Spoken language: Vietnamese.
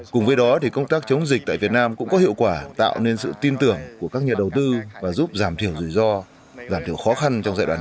cùng với đó thì công tác chống dịch tại việt nam cũng có hiệu quả tạo nên sự tin tưởng của các nhà đầu tư và giúp giảm thiểu rủi ro giảm thiểu khó khăn